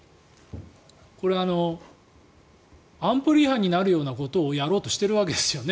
これ、安保理違反になるようなことをやろうとしているわけですよね。